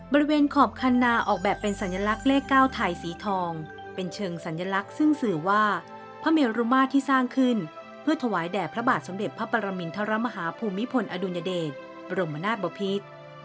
บริเวณขอบคันนาออกแบบเป็นสัญลักษณ์เลข๙ไทยสีทองเป็นเชิงสัญลักษณ์ซึ่งสื่อว่าพระเมรุมาตรที่สร้างขึ้นเพื่อถวายแด่พระบาทสมเด็จพระปรมินทรมาฮาภูมิพลอดุญเดชบรมนาศบพิษ